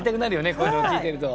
こういうの聞いてると。